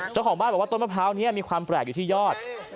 เจ้าของบ้านบอกว่าต้นมะพร้าวนี้มีความแปลกอยู่ที่ยอด